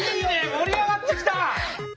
盛り上がってきた！